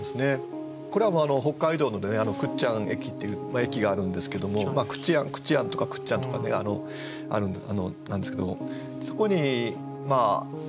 これは北海道の倶知安駅っていう駅があるんですけども「くちあん」とか「くっちゃん」とかなんですけどもそこに夜にね